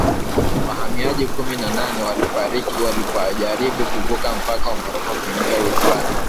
Wahamiaji kumi na nane wafariki walipojaribu kuvuka mpaka wa Morocco kuingia Uhispania